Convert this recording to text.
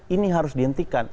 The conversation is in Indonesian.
ini harus dihentikan